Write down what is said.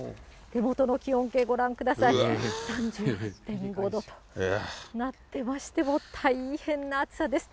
手元の気温計、ご覧ください、３８．５度となってまして、もう大変な暑さです。